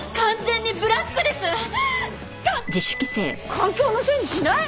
環境のせいにしない！